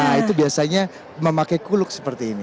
nah itu biasanya memakai kuluk seperti ini